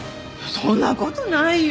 そんなことないよ。